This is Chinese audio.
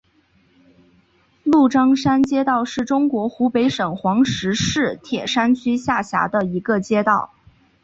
鹿獐山街道是中国湖北省黄石市铁山区下辖的一个街道。